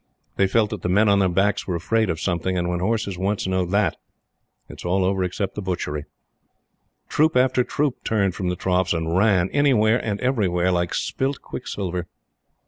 They felt that the men on their backs were afraid of something. When horses once know THAT, all is over except the butchery. Troop after troop turned from the troughs and ran anywhere, and everywhere like spit quicksilver.